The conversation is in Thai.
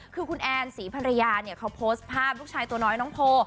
คือคุณแอนศรีภรรยาเนี่ยเขาโพสต์ภาพลูกชายตัวน้อยน้องโพ